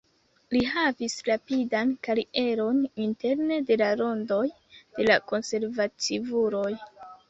Li havis rapidan karieron interne de la rondoj de la konservativuloj.